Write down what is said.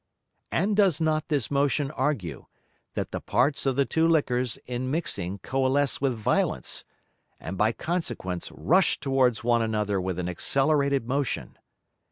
And does not this Motion argue, that the Parts of the two Liquors in mixing coalesce with Violence, and by consequence rush towards one another with an accelerated Motion?